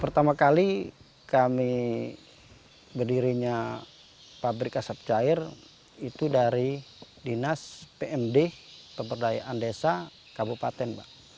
pertama kali kami berdirinya pabrik asap cair itu dari dinas pmd pemberdayaan desa kabupaten